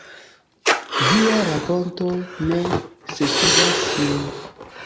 “Via rakonto ne sekigas min.”